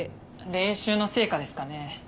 練習の成果ですかね。